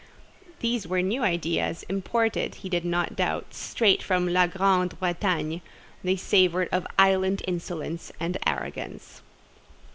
These were new ideas; imported, he did not doubt, straight from 'la Grande Bretagne:' they savoured of island insolence and arrogance."